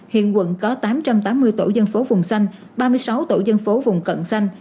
hiện quận có tám trăm tám mươi tổ dân phố vùng xanh ba mươi sáu tổ dân phố vùng cận xanh